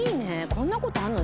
こんな事あるの？